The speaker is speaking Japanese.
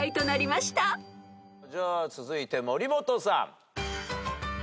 じゃあ続いて森本さん。